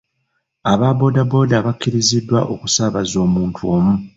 Aba boodabooda bakkiriziddwa okusaabaza omuntu omu.